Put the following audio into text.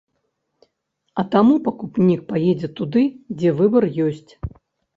А таму пакупнік паедзе туды, дзе выбар ёсць.